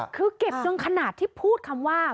คือเก็บจนขนาดที่พูดคำว่า